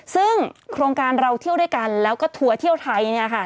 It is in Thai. ซึ่งโครงการเราเที่ยวด้วยกันแล้วก็ทัวร์เที่ยวไทยเนี่ยค่ะ